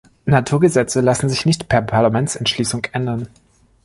Naturgesetze lassen sich nicht per Parlamentsentschließung ändern.